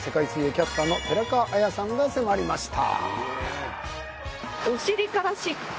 キャスターの寺川綾さんが迫りました